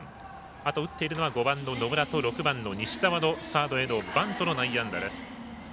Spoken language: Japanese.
あと打っているのは５番の野村と６番の西澤のサードへのバントの内野安打です。